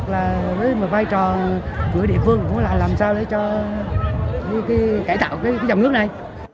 cải tạo cái dòng nước này